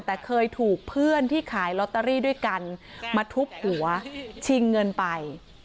แต่เคยถูกเพื่อนที่ขายลอตเตอรี่ด้วยกันมาทุบหัวชิงเงินไป